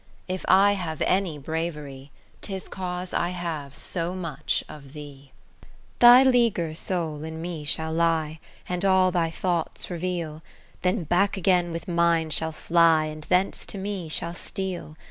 40 If I have any bravery, 'Tis cause I have so much of thee. VIII Thy leiger ' soul in me shall lie, And all thy thoughts reveal ; Then back again with mine shall fly. And thence to me shall steal.